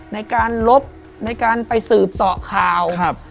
ในการลบในการไปสืบเสาะข่าว